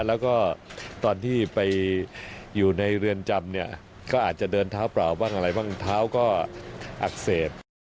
แล้วก็ตอนที่ไปอยู่ในเรือนจำเนี่ยก็อาจจะเดินเท้าเปล่าบ้างอะไรบ้างเท้าก็อักเสบ